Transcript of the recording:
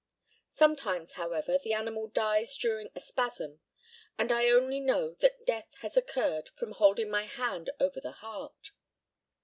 Sometimes, however, the animal dies during a spasm, and I only know that death has occurred from holding my hand over the heart.